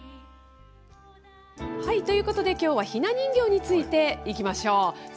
ということで、きょうはひな人形についていきましょう。